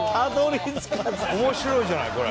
面白いじゃないこれ。